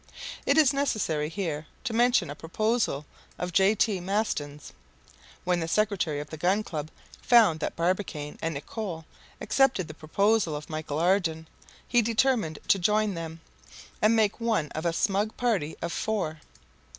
It is necessary here to mention a proposal of J. T. Maston's. When the secretary of the Gun Club found that Barbicane and Nicholl accepted the proposal of Michel Ardan, he determined to join them, and make one of a smug party of four.